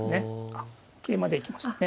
あっ桂馬で行きましたね。